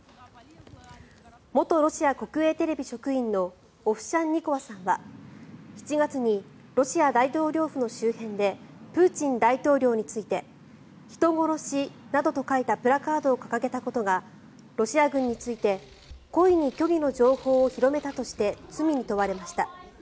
元ロシア国営テレビ職員のオフシャンニコワさんは、７月にロシア大統領府の周辺でプーチン大統領について人殺しなどと書いたプラカードを掲げたことがロシア軍について故意に虚偽の情報を広めたとして罪に問われました。